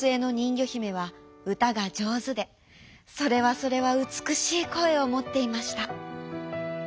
ぎょひめはうたがじょうずでそれはそれはうつくしいこえをもっていました。